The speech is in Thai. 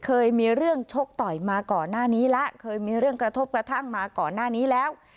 เคยมีเรื่องชกต่อยมาก่อนหน้านี้แล้ว